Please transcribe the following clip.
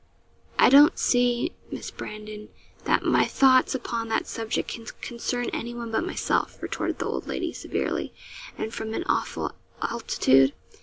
'I don't see, Miss Brandon, that my thoughts upon that subject can concern anyone but myself,' retorted the old lady, severely, and from an awful altitude.